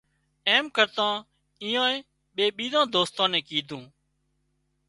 ايم ڪرتا ايئان ٻي ٻيزان دوستان نين ڪيڌون